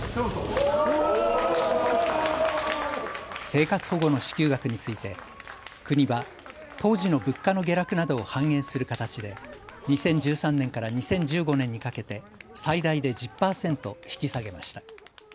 生活保護の支給額について国は当時の物価の下落などを反映する形で２０１３年から２０１５年にかけて最大で１０％引き下げました。